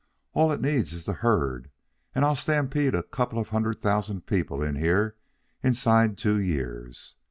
All it needs is the herd, and I'll stampede a couple of hundred thousand people in here inside two years.